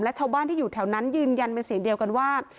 และชาวบ้านที่อยู่แถวนั้นยืนยันเป็นเสียงเดียวกันว่า